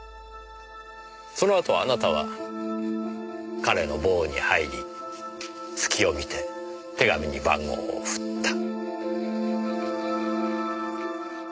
そのあとあなたは彼の房に入りすきを見て手紙に番号を振った。